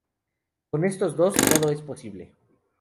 Con estos dos, todo es posible.